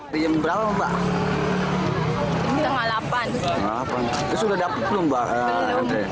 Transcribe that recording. terus sudah dapat belum mbak antre